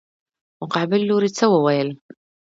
مقابل لوري څه وويل.